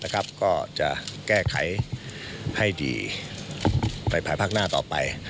ก็จะแก้ไขให้ดีไปภายภาคหน้าต่อไป